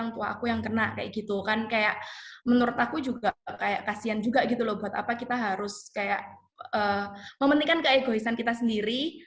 saya merasa sangat kasian juga buat apa kita harus mempentingkan keegoisan kita sendiri